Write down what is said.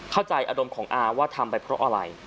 อารมณ์ของอาว่าทำไปเพราะอะไร